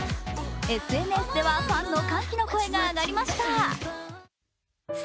ＳＮＳでは、ファンの歓喜の声が上がりました。